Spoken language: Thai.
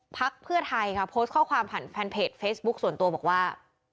พักเพื่อไทยค่ะโพสต์ข้อความผ่านแฟนเพจเฟซบุ๊คส่วนตัวบอกว่า